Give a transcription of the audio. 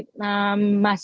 kami pulang dari masjid